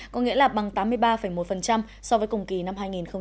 có nghĩa là bằng tám mươi ba một so với cùng kỳ năm hai nghìn một mươi chín